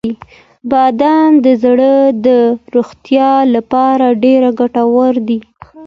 • بادام د زړه د روغتیا لپاره ډیره ګټور دی.